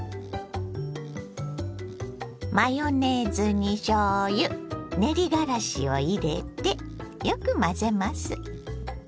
マヨネーズにしょうゆ練りがらしを入れてよく混ぜます。